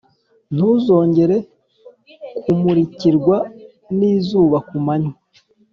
ntuzongera kumurikirwa n’izuba ku manywa,